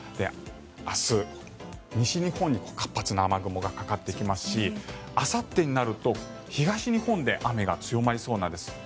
明日、西日本に活発な雨雲がかかってきますしあさってになると東日本で雨が強まりそうなんです。